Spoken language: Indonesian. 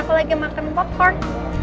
kalau lagi makan popcorn